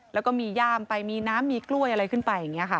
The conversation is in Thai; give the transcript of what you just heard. แล้วก็มีย่ามไปมีน้ำมีกล้วยอะไรขึ้นไปอย่างนี้ค่ะ